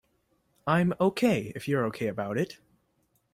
I'm OK if you're OK about it.